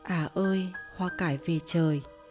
à ơi hoa cải về trời